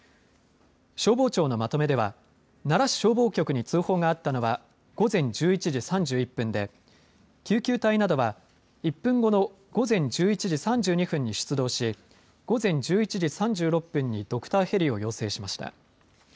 消防庁のまとめでは奈良市消防局に通報があったのは午前１１時３１分で救急隊などは１分後の午前１１時３２分に出動し午前１１時３６分にドクターヘリを要請しました。